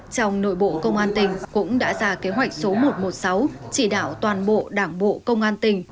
trong nội bộ công an tỉnh cũng đã ra kế hoạch số một trăm một mươi sáu chỉ đạo toàn bộ đảng bộ công an tỉnh